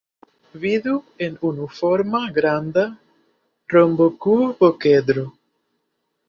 Vidu en unuforma granda rombokub-okedro.